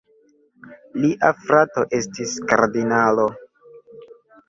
Lia frato estis kardinalo.